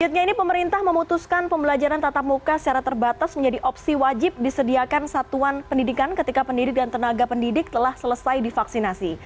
selanjutnya ini pemerintah memutuskan pembelajaran tatap muka secara terbatas menjadi opsi wajib disediakan satuan pendidikan ketika pendidik dan tenaga pendidik telah selesai divaksinasi